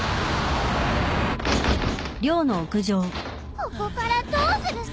ここからどうするさ？